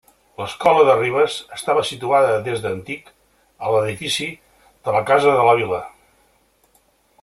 L'escola de Ribes estava situada des d'antic a l'edifici de la Casa de la Vila.